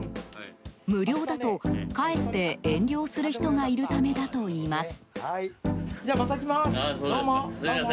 無料だとかえって遠慮をする人がいるためだといいます。